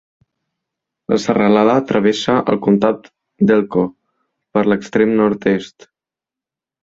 La serralada travessa el comtat d'Elko per l'extrem nord-est.